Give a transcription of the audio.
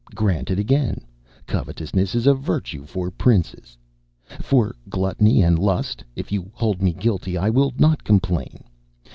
Granted again; Covetousness is a virtue for Princes. For Gluttony and Lust, if you hold me guilty, I will not complain.